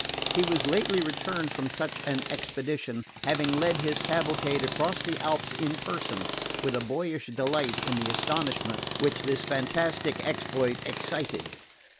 He was lately returned from such an expedition, having led his cavalcade across the Alps in person, with a boyish delight in the astonishment which this fantastic exploit excited.